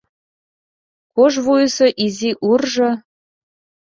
Кож вуйысо изи уржо